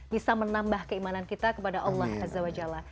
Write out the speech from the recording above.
bisa menambah keimanan kita kepada allah azza wa jalla